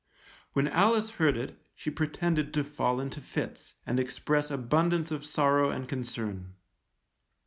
When Alice heard it, she pretended to fall into fits, and express abundance of sorrow and concern.